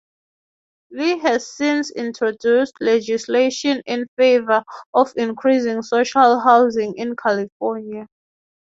Lee has since introduced legislation in favor of increasing social housing in California.